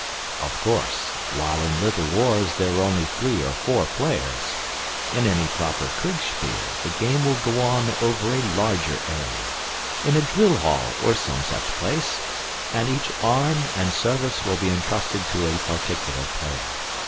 Of course, while in Little Wars there are only three or four players, in any proper Kriegspiel the game will go on over a larger area in a drill hall or some such place and each arm and service will be entrusted to a particular player.